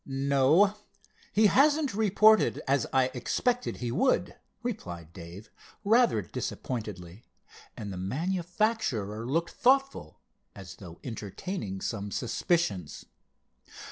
"No, he hasn't reported, as I expected he would," replied Dave rather disappointedly, and the manufacturer looked thoughtful as though entertaining some suspicions.